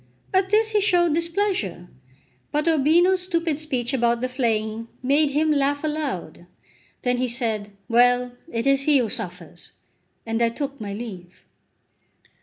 At this he showed displeasure; but Urbino's stupid speech about the flaying made him laugh aloud. Then he said: "Well, it is he who suffers!" and I took my leave.